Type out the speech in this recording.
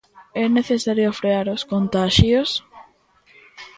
É necesario frear os contaxios.